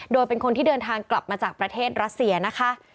โดยเป็นคนที่เดินทางกลับมาจากประเทศรัสเซียนะคะ